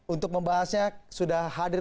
untuk membahasnya sudah hadir